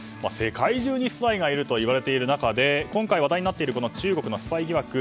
世界中にスパイがいるといわれている中で今回、話題になっている中国のスパイ疑惑